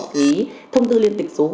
tạm thời theo tinh thần của